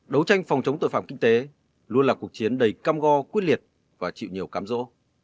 đấu tranh phòng chống tội phạm kinh tế luôn là cuộc chiến đầy cam go quyết liệt và chịu nhiều cam rỗ